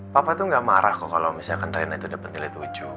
papa tuh gak marah kok kalo misalkan rena dapet nilai tujuh